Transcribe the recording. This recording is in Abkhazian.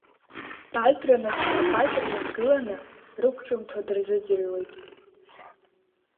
Бадра наскьа акәакь аҟны дгыланы рықәҿымҭуа дырзыӡырҩуеит.